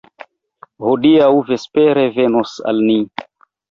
hodiaŭ vespere venos al ni.